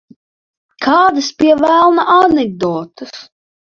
Kādas, pie velna, anekdotes?